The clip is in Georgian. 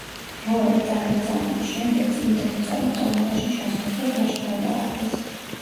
მრავალი ტანჯვა-წამების შემდეგ წმინდა მოწამე ტომარაში ჩასვეს და ტბაში გადააგდეს.